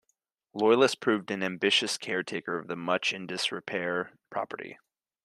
Loyless proved an ambitious caretaker of the much-in-disrepair property.